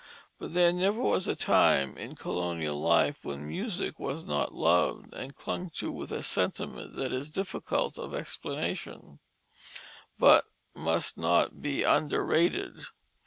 But there never was a time in colonial life when music was not loved and clung to with a sentiment that is difficult of explanation, but must not be underrated.